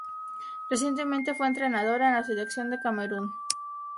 Recientemente fue entrenador de la Selección de Camerún.